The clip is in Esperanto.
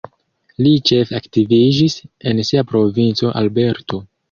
Li ĉefe aktiviĝis en sia provinco Alberto.